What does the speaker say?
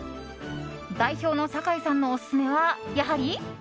代表の酒井さんのオススメはやはり。